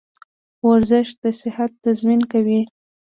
ورزش د صحت تضمین کوي.